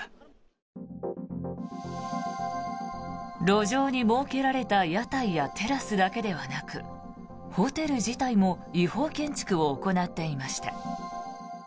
路上に設けられた屋台やテラスだけではなくホテル自体も違法建築を行っていました。